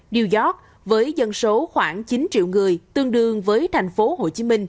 new york với dân số khoảng chín triệu người tương đương với tp hcm